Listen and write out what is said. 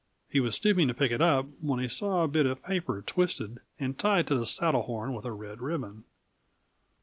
He was stooping to pick it up when he saw a bit of paper twisted and tied to the saddle horn with a red ribbon.